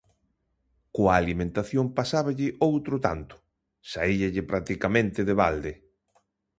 Coa alimentación pasaba outro tanto: saíalle practicamente de balde.